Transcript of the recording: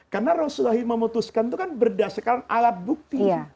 karena rasulullah memutuskan itu kan berdasarkan alat bukti